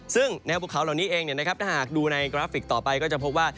ซึ่งแนวภูเขาเหล่านี้เองถ้าหากดูในกราฟิกต่อไปก็จะพบว่า